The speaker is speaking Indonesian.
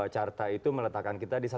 carta itu meletakkan kita di satu